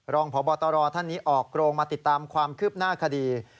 รองพบตรท่านนี้ออกโรงมาติดตามความคืบหน้าคดี